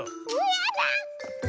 やだ！